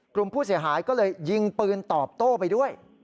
กลุ่มผู้เสียหายก็เลยยิงปืนตอบโต้ไปด้วย